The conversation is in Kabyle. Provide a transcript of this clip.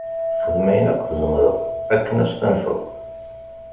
Xdem ayen akk tzemreḍ akken ad s-tanfeḍ.